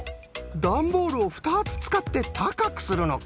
ダンボールをふたつつかってたかくするのか。